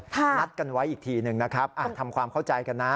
นัดกันไว้อีกทีหนึ่งนะครับทำความเข้าใจกันนะ